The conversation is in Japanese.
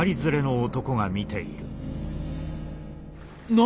何？